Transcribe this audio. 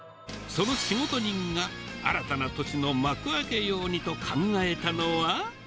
その仕事人が、新たな年の幕開けようにと考えたのは。